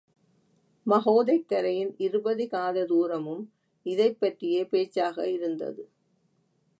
மகோதைக் கரையின் இருபது காத துரமும் இதைப் பற்றியே பேச்சாக இருந்தது.